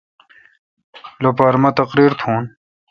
لوپارہ مہ تقریر تھون۔